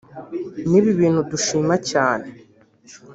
ni ibintu dushima cyane